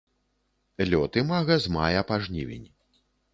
Лёт імага з мая па жнівень.